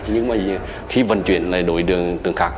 nhưng khi vận chuyển lại đổi đường tượng khác